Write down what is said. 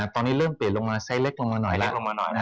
ตอนนี้เริ่มเปลี่ยนลงมาไซส์เล็กลงมาหน่อยนะครับ